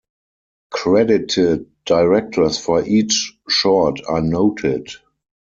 Credited directors for each short are noted.